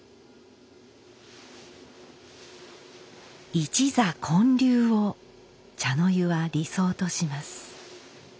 「一座建立」を茶の湯は理想とします。